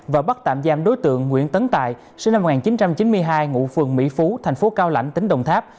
và bắt tạm giam đối tượng nguyễn tấn tài sinh năm một nghìn chín trăm chín mươi hai ngụ phường mỹ phú thành phố cao lãnh tỉnh đồng tháp